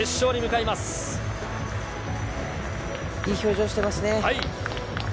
いい表情してますね。